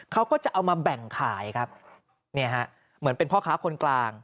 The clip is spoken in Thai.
เขาก็จะเอามาแบ่งขายครับเนี่ยฮะเหมือนเป็นพ่อค้าคนกลาง